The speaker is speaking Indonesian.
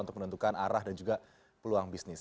untuk menentukan arah dan juga peluang bisnis